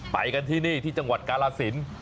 ไปกันที่นี่ที่จังหวัดกาลสิน